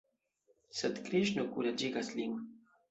Sed Kriŝno kuraĝigas lin.